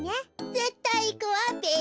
ぜったいいくわべ。